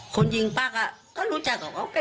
คนยิงป่ะก็รู้จัก